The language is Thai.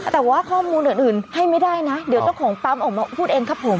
แต่ว่าข้อมูลอื่นให้ไม่ได้นะเดี๋ยวเจ้าของปั๊มออกมาพูดเองครับผม